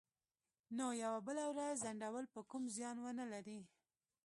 نو یوه بله ورځ ځنډول به کوم زیان ونه لري